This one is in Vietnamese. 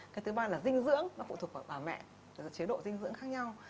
cái thứ ba là dinh dưỡng nó phụ thuộc vào bà mẹ chế độ dinh dưỡng khác nhau